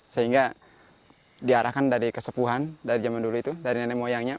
sehingga diarahkan dari kesepuhan dari zaman dulu itu dari nenek moyangnya